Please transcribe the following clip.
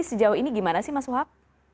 sejauh ini gimana sih mas uhab